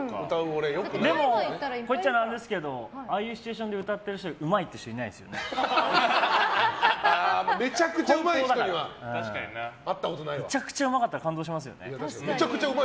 でも、言っちゃなんですけどああいうシチュエーションで歌ってる人めちゃくちゃうまい人にはめちゃくちゃうまかったら感動しますよね。